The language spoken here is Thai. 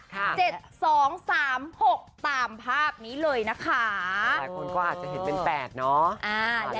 เจ็ดสองสามหกตามภาพนี้เลยนะคะหลายคนก็อาจจะเห็นเป็น๘เนาะ